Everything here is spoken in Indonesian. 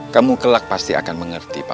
kamu kelak pasti akan mengingatnya